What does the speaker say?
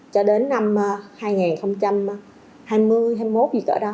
cho đến năm hai nghìn hai mươi một gì cả đó